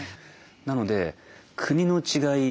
なので国の違い